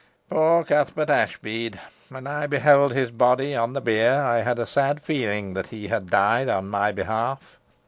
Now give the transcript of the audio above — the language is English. Poor Cuthbert Ashbead! when I beheld his body on the bier, I had a sad feeling that he had died in my behalf."